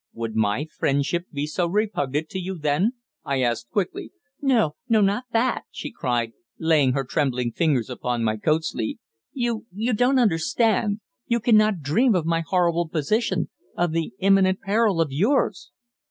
"Would my friendship be so repugnant to you, then?" I asked quickly. "No, no, not that," she cried, laying her trembling fingers upon my coat sleeve. "You you don't understand you cannot dream of my horrible position of the imminent peril of yours."